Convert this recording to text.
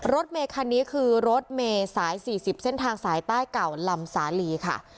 รถเมคันนี้คือรถเมย์สาย๔๐เส้นทางสายใต้เก่าลำสาลีค่ะ